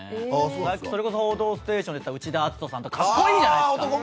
さっき「報道ステーション」に出てた内田篤人さんとか格好いいじゃないですか。